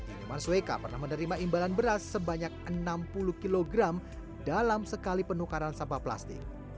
iman sweka pernah menerima imbalan beras sebanyak enam puluh kg dalam sekali penukaran sampah plastik